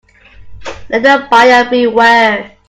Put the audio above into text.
Let the buyer beware.